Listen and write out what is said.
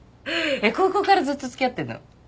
高校からずっと付き合ってるの？